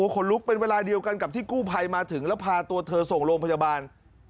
ขนลุกเป็นเวลาเดียวกันกับที่กู้ภัยมาถึงแล้วพาตัวเธอส่งโรงพยาบาล